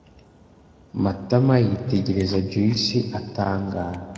Matama yitegereza Joyci atangara.